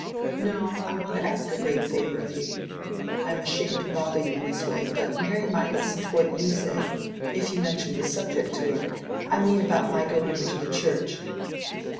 "No, I want to ask a great favor of you. I am ashamed to bother you in this way; but Mary might listen to what you said, if you mentioned the subject to her—I mean about my going into the Church."